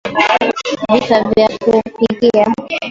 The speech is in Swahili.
Vifaa vya kupikia